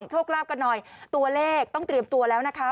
โชคลาภกันหน่อยตัวเลขต้องเตรียมตัวแล้วนะคะ